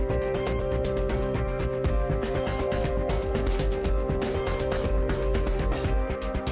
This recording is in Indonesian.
terima kasih nanda daniel